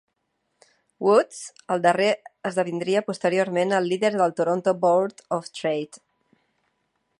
Woods, el darrer esdevindria posteriorment el líder del "Toronto Board of Trade".